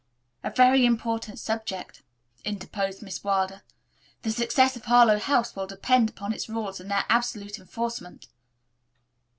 "A very important subject," interposed Miss Wilder. "The success of Harlowe House will depend upon its rules and their absolute enforcement."